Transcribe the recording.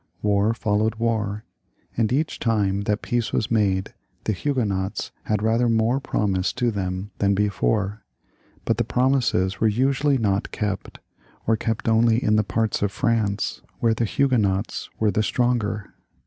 War followed war, and each time that peace was made the Huguenots had rather more pro mised to them than before; but the promises were usually not kept, or kept only in the parts of France where the Huguenots were the stronger.